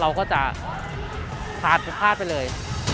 เราก็จะพลาดพลาดไปเลย